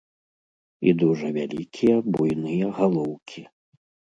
І дужа вялікія, буйныя галоўкі.